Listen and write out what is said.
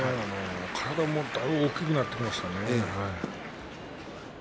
体も大きくなってきましたね。